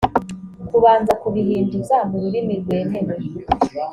kubanza kubihinduza mu rurimi rwemewe